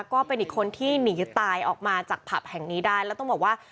ก็เป็นอีกคนที่หนีตายออกมาจากผับแห่งนี้ได้แล้วต้องบอกว่า